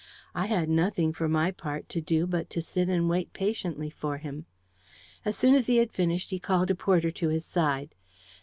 I had nothing, for my part, to do but to sit and wait patiently for him. As soon as he had finished, he called a porter to his side.